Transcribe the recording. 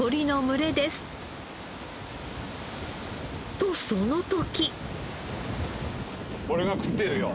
とその時。